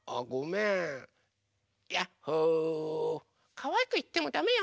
かわいくいってもだめよ！